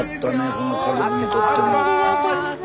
この家族にとっても。